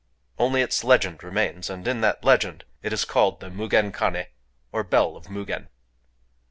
Only its legend remains; and in that legend it is called the Mugen Kané, or Bell of Mugen.